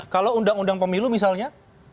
kalau undang undang pemilu misalnya